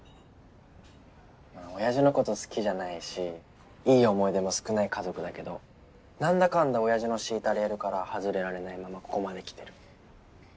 親父のこと好きじゃないしいい思い出も少ない家族だけど何だかんだ親父の敷いたレールから外れられないままここまで来てる。